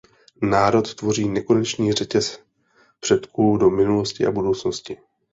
Národ tvoří nekonečný řetěz předků do minulosti a budoucnosti.